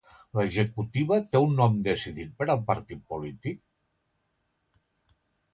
L'executiva té un nom decidit per al partit polític?